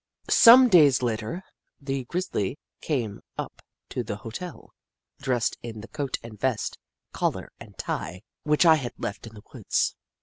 Some days later the grizzly came up to the hotel, dressed in the coat and vest, collar and tie, which I had left in the woods.